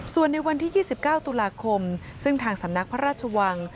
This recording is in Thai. ส่วนในวันที่๒๙ตุลาคมซึ่งทางสำนักพระราชวัง